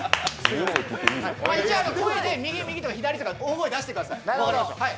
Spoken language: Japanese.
声で右右とか左とか大声出してください。